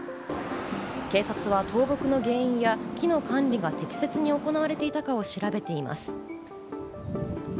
警察は倒木の原因や木の管理が適切に行われていたかを調べています。